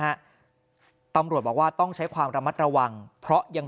จับกลุ่มตัวนะฮะตำรวจบอกว่าต้องใช้ความระมัดระวังเพราะยัง